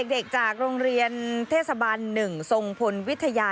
จากโรงเรียนเทศบาล๑ทรงพลวิทยา